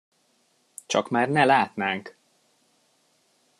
Csak már ne látnánk!